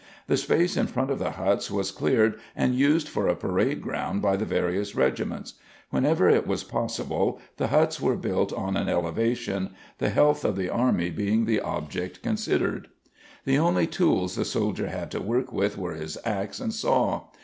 The space in front of the huts was cleared and used for a parade ground by the various regiments. Whenever it was possible the huts were built on an elevation, the health of the army being the object considered. The only tools the soldier had to work with were his axe and saw.